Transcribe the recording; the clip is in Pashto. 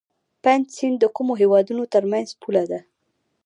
پنج سیند د کومو هیوادونو ترمنځ پوله ده؟